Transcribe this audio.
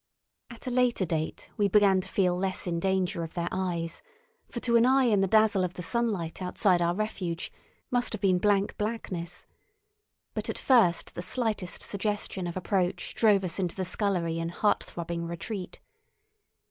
At a later date we began to feel less in danger of their eyes, for to an eye in the dazzle of the sunlight outside our refuge must have been blank blackness, but at first the slightest suggestion of approach drove us into the scullery in heart throbbing retreat.